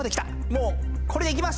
もうこれでいきます。